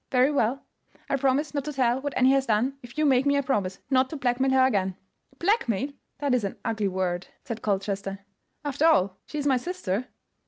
"Very well; I promise not to tell what Annie has done if you make me a promise not to blackmail her again." "Blackmail! that is an ugly word," said Colchester; "after all, she is my sister."